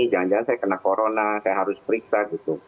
jangan jangan saya kena corona saya harus periksa gitu